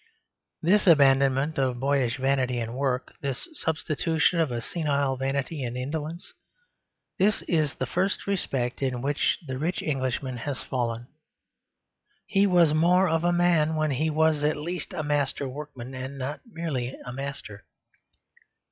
This abandonment of a boyish vanity in work, this substitution of a senile vanity in indolence, this is the first respect in which the rich Englishman has fallen. He was more of a man when he was at least a master workman and not merely a master.